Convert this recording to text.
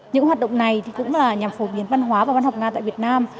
những hoạt động này cũng là nhằm phổ biến văn hóa và văn học nga tại việt nam